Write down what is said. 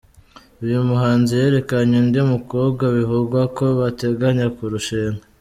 Uyu muhanzi yerekanye undi mukobwa bivugwa ko bateganya kurushinga.